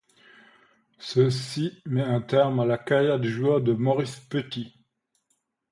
Ceci met un terme à la carrière de joueur de Maurice Petit.